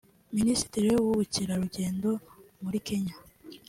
Minisitiri w’Ubukerarugendo muri Kenya